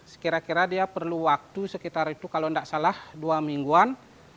sekira kira dia perlu waktu sekitar itu kalau tidak salah dua mingguan